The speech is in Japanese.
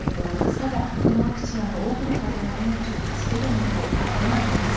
ただ、このワクチンは多くの方の命を助けるものだとも思います。